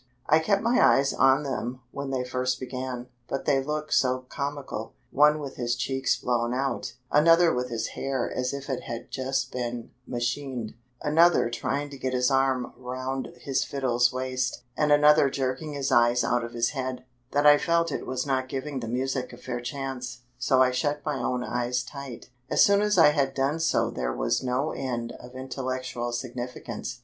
I kept my eyes on them when they first began, but they looked so comical one with his cheeks blown out, another with his hair as if it had just been machined, another trying to get his arm round his fiddle's waist, and another jerking his eyes out of his head that I felt it was not giving the music a fair chance, so I shut my own eyes tight. As soon as I had done so there was no end of intellectual significance.